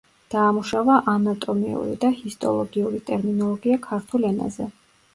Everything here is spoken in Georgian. დაამუშავა ანატომიური და ჰისტოლოგიური ტერმინოლოგია ქართულ ენაზე.